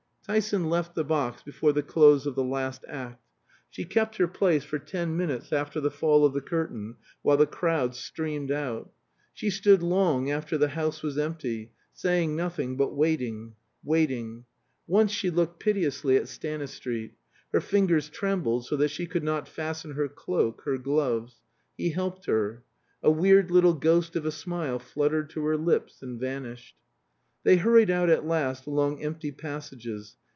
Tyson left the box before the close of the last act. She kept her place for ten minutes after the fall of the curtain, while the crowd streamed out. She stood long after the house was empty, saying nothing, but waiting waiting. Once she looked piteously at Stanistreet. Her fingers trembled so that she could not fasten her cloak, her gloves. He helped her. A weird little ghost of a smile fluttered to her lips and vanished. They hurried out at last along empty passages.